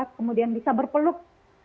kemudian bisa berpeluk